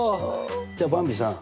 じゃあばんびさん